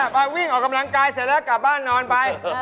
ไปวิ่งออกกำลังกายเสร็จแล้วกลับบ้านนอนไป